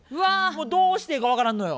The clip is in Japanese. もうどうしていいか分からんのよ。